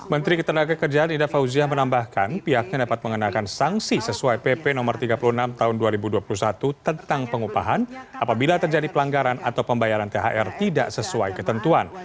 menteri ketenagakerjaan ida fauzia menambahkan pihaknya dapat mengenakan sanksi sesuai pp no tiga puluh enam tahun dua ribu dua puluh satu tentang pengupahan apabila terjadi pelanggaran atau pembayaran thr tidak sesuai ketentuan